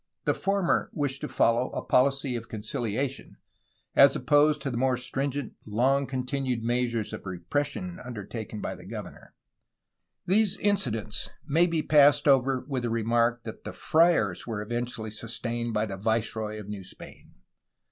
The former wished to follow a poHcy of concilia tion, as opposed to the more stringent, long continued measures of repression undertaken by the governor. These incidents may be passed over with the remark that the friars were eventually sustained by the viceroy of New Spain.